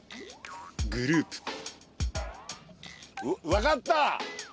分かった！